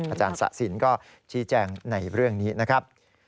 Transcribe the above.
อาจารย์สะสินก็ชี้แจงในเรื่องนี้นะครับ